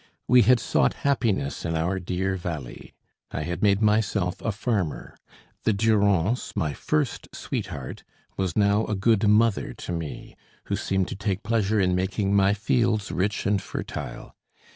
We had sought happiness in our dear valley. I had made myself a farmer; the Durance, my first sweetheart, was now a good mother to me, who seemed to take pleasure in making my fields rich and fertile.